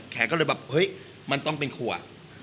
แกก็เลยแบบเฮ้ยมันต้องเป็นขวด